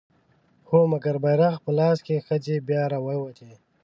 هو! مګر بيرغ په لاس که ښځې بيا راووتې